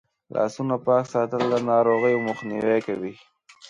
لاسونه پاک ساتل د ناروغیو مخنیوی کوي.